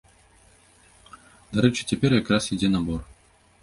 Дарэчы, цяпер якраз ідзе набор.